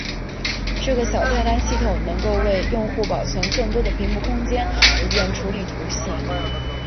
这个小菜单系统能够为用户保存更多的屏幕空间以便处理图形。